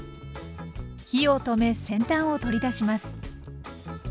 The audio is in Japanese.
火を止め先端を取り出します。